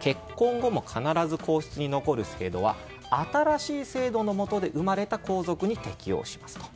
結婚後も必ず皇室に残る制度は新しい制度の下で生まれた皇族に適用しますと。